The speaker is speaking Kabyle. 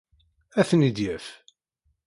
Ad ten-id-yaf.